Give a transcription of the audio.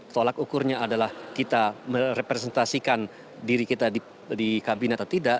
tolak ukurnya adalah kita merepresentasikan diri kita di kabinet atau tidak